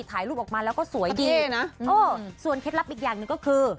ถ่ายรูปออกมาแล้วก็สวยดีนะเออส่วนเคล็ดลับอีกอย่างหนึ่งก็คือ